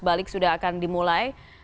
balik sudah akan dimulai